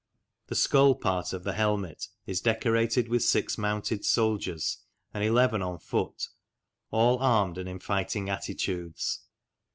The skull part of the helmet is decorated with six mounted soldiers and eleven on foot, all armed and in fighting attitudes.